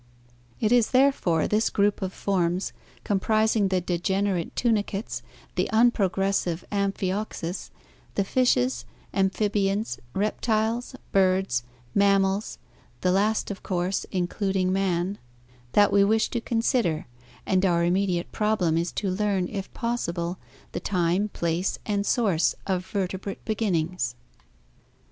It is, therefore, this group of forms, comprising the degenerate tunicates, the unprogressive Amphioxus, the fishes, amphibians, reptiles, birds, mammals, the last of course, including man, that we 462 ORGANIC EVOLUTION wish to consider, and our immediate problem is to learn, if possible, the time, place, and source of vertebrate beginnings.